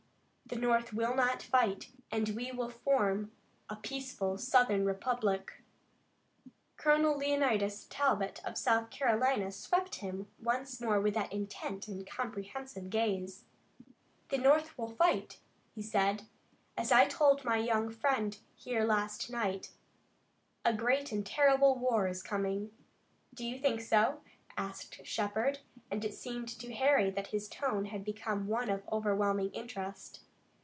The North will not fight, and we will form a peaceful Southern republic." Colonel Leonidas Talbot of South Carolina swept him once more with that intent and comprehensive gaze. "The North will fight," he said. "As I told my young friend here last night, a great and terrible war is coming." "Do you think so?" asked Shepard, and it seemed to Harry that his tone had become one of overwhelming interest.